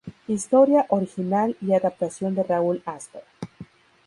Historia original y adaptación de Raúl Astor.